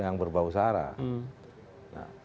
yang berbau sarah